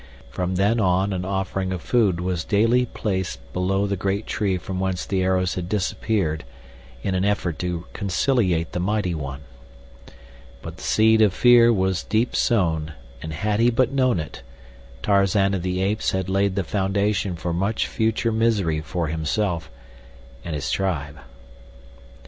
From then on an offering of food was daily placed below the great tree from whence the arrows had disappeared in an effort to conciliate the mighty one. But the seed of fear was deep sown, and had he but known it, Tarzan of the Apes had laid the foundation for much future misery for himself and his tribe.